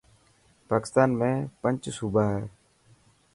پاڪستان ۾ پنچ صوبا هي.